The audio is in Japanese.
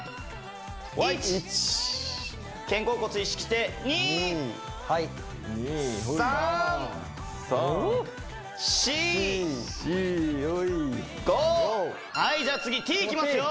肩甲骨意識して２３４５はいじゃあ次Ｔいきますよ